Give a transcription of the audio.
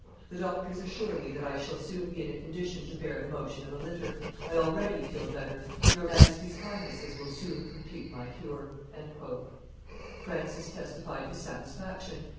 The doctors assure me that I shall soon be in a condition to bear the motion of a litter; I already feel better; your Majesty's kindnesses will soon complete my cure." Francis testified his satisfaction.